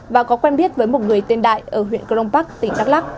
và có quen biết với một người tên đại ở huyện crong park tỉnh đắk lắc